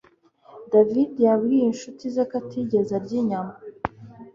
David yabwiye inshuti ze ko atigeze arya inyama